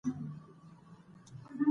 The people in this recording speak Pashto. افغانستان په کندهار باندې تکیه لري.